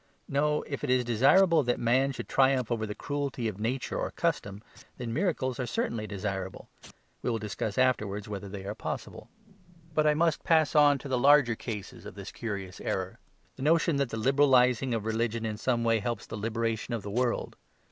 No, if it is desirable that man should triumph over the cruelty of nature or custom, then miracles are certainly desirable; we will discuss afterwards whether they are possible. But I must pass on to the larger cases of this curious error; the notion that the "liberalising" of religion in some way helps the liberation of the world.